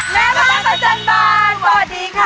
แม่บ้านประจำบานสวัสดีค่ะ